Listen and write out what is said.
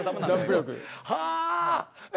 はあ。